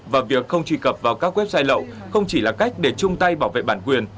và việc không truy cập vào các website lậu không chỉ là cách để chung tay bảo vệ bản quyền